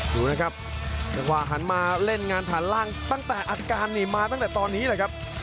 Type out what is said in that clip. ดูนะครับจังหวะหันมาเล่นงานฐานล่างตั้งแต่อาการนี่มาตั้งแต่ตอนนี้แหละครับ